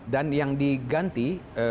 dan yang diganti